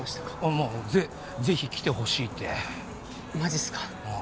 まあぜぜひ来てほしいってマジっすかああ